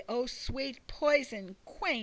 O sweete poison quaint!